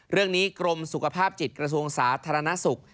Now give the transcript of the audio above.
เรื่องนี้กรมสุขภาพจิตกระทรวงสาธารณสุข